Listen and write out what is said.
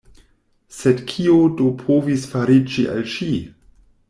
Sed kio do povis fariĝi al ŝi?